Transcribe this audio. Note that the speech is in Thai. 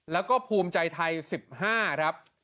แล้วก็ภูมิใจไทย๑๕ครับ